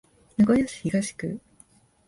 名古屋市東区